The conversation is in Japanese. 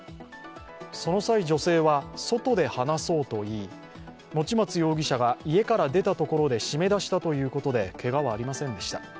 その際、女性は、外で話そうと言い、用松容疑者が家から出たところで閉め出したということで、けがはありませんでした。